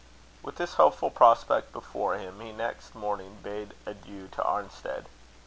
With this hopeful prospect before him, he next morning bade adieu to Arnstead.